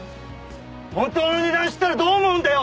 本当の値段を知ったらどう思うんだよ！